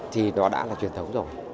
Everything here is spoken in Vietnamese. thì nó đã là truyền thống rồi